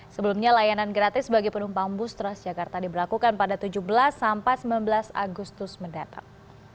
sebelumnya layanan gratis bagi penumpang bus transjakarta diberlakukan pada tujuh belas sampai sembilan belas agustus mendatang